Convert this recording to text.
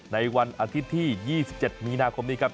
ในวันอาทิตย์ที่๒๗มีนาคมนี้ครับ